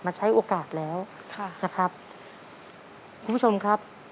ใช้โอกาสแล้วค่ะนะครับคุณผู้ชมครับ